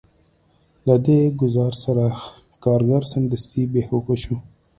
له دې ګزار سره کارګر سمدستي بې هوښه شو